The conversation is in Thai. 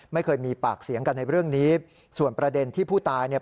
ไม่เคยมีปากเสียงกันในเรื่องนี้ส่วนประเด็นที่ผู้ตายเนี่ย